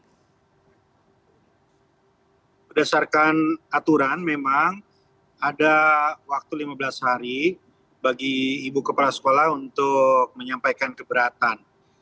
berdasarkan aturan memang ada waktu lima belas hari bagi ibu kepala sekolah untuk menyampaikan keberatan